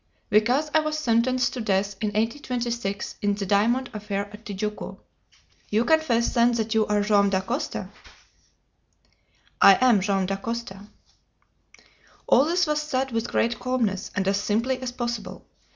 "Because I was sentenced to death in 1826 in the diamond affair at Tijuco." "You confess then that you are Joam Dacosta?" "I am Joam Dacosta." All this was said with great calmness, and as simply as possible.